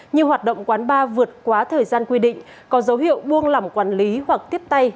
như hoạt động quán ba vượt quá thời gian quy định có dấu hiệu buông lỏng quản lý hoặc tiếp tay